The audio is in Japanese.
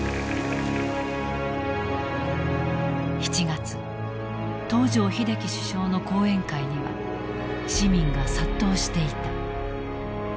７月東條英機首相の講演会には市民が殺到していた。